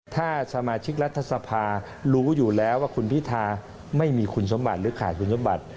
ถ้าสมาชิกรัฐสภารู้อยู่แล้วว่าคุณพิธาไม่มีคุณสมบัติหรือขาดคุณสมบัติ